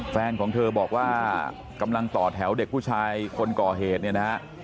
แฟนของเธอบอกว่ากำลังต่อแถวเด็กผู้ชายคนก่อเหตุเนี่ยนะฮะ